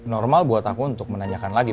normal buat aku untuk menanyakan lagi